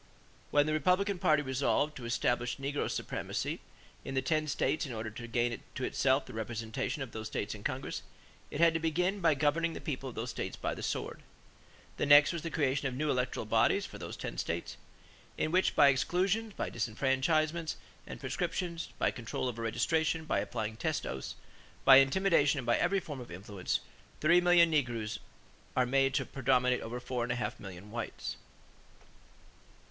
When the Republican party resolved to establish negro supremacy in the ten states in order to gain to itself the representation of those states in Congress, it had to begin by governing the people of those states by the sword.... The next was the creation of new electoral bodies for those ten states, in which, by exclusions, by disfranchisements and proscriptions, by control over registration, by applying test oaths ... by intimidation and by every form of influence, three million negroes are made to predominate over four and a half million whites."